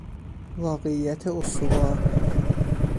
واقعیت راستوار